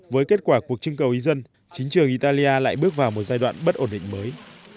với kết quả cuộc trưng cầu ý dân chính trường italia lại bước vào một giai đoạn bất ổn định mới